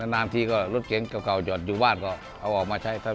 นานทีก็รถเก๋งเก่าจอดอยู่บ้านก็เอาออกมาใช้ครับ